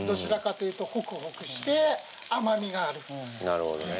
なるほどね。